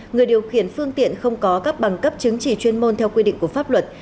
người điều khiển phương tiện không có các bằng cấp chứng chỉ chuyên môn theo quy định của pháp luật